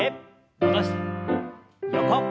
横。